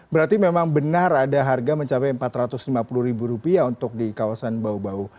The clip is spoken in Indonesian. berarti memang benar ada harga mencapai rp empat ratus lima puluh untuk di kawasan bau bau